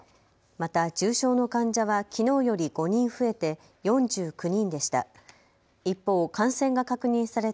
また重症の患者はきのうより５人増えて４９人でした。